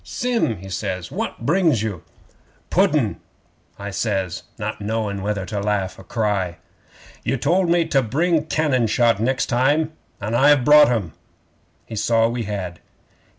"Sim," he says, "what brings you?" '"Pudden," I says, not knowing whether to laugh or cry. '"You told me to bring cannon shot next time, an' I've brought 'em." 'He saw we had.